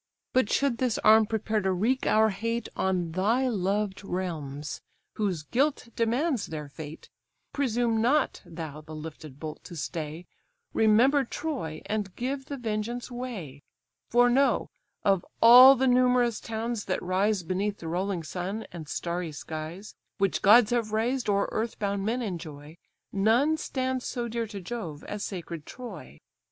But should this arm prepare to wreak our hate On thy loved realms, whose guilt demands their fate; Presume not thou the lifted bolt to stay, Remember Troy, and give the vengeance way. For know, of all the numerous towns that rise Beneath the rolling sun and starry skies, Which gods have raised, or earth born men enjoy, None stands so dear to Jove as sacred Troy.